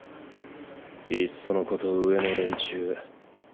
いっそのこと上の連中